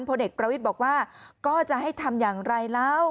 พบชนบอกว่าก็จะให้ทำอย่างไรแล้ว